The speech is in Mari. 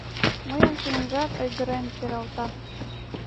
Мыйын шӱмемжат ойгырен пералта.